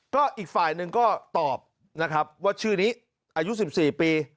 ก็อีกฝ่ายหนึ่งก็ตอบนะครับว่าชื่อนี้อายุ๑๔ปี